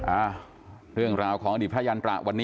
อ่าเรื่องราวของอดีตพระยันตระวันนี้